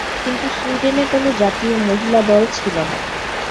কিন্তু সুইডেনে কোন জাতীয় মহিলা দল ছিল না।